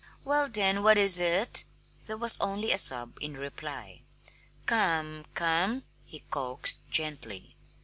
"Well, then, what is it?" There was only a sob in reply. "Come, come," he coaxed gently.